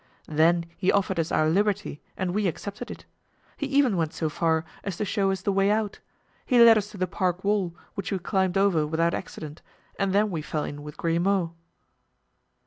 Then he offered us our liberty and we accepted it. He even went so far as to show us the way out; he led us to the park wall, which we climbed over without accident, and then we fell in with Grimaud."